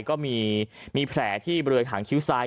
ก็มีแผลที่บริเวณหางคิ้วซ้าย